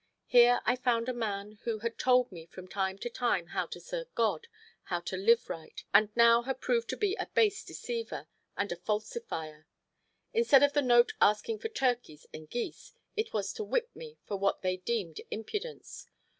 Here I found a man who had told me from time to time how to serve God, how to live right, and now had proved to be a base deceiver and a falsifier. Instead of the note asking for turkeys and geese, it was to whip me for what they deemed impudence.